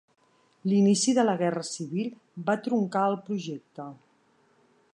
L'inici de la Guerra Civil va truncar el projecte.